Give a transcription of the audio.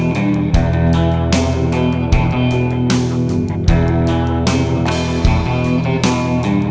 tiga itu begini